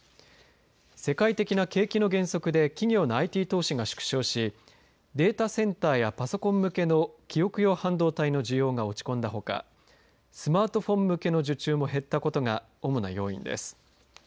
世界的な景気の減速で企業のＩＴ投資が縮小しデータセンターやパソコン向けの記憶用半導体の需要が落ち込んだほかスマートフォン向けの受注も減ったことが主な要因です。